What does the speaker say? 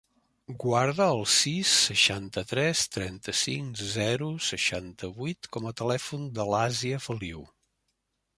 Guarda el sis, seixanta-tres, trenta-cinc, zero, seixanta-vuit com a telèfon de l'Asia Feliu.